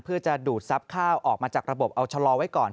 เพื่อจะดูดทรัพย์ข้าวออกมาจากระบบเอาชะลอไว้ก่อน